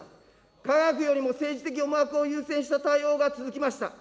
科学よりも政治的思惑を優先した対応が続きました。